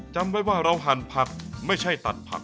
จำไว้ว่าเราหั่นผักไม่ใช่ตัดผัก